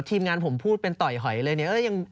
ทีมงานผมพูดเป็นต่อยหอยเลยเนี่ย